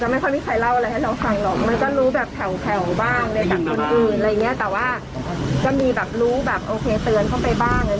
ไม่ค่อยมีใครเล่าอะไรให้เราฟังหรอกมันก็รู้แบบแถวบ้างเลยจากคนอื่นอะไรอย่างเงี้ยแต่ว่าก็มีแบบรู้แบบโอเคเตือนเข้าไปบ้าง